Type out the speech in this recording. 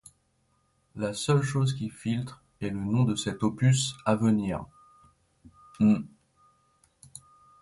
La seule chose qui filtre est le nom de cet opus à venir, '.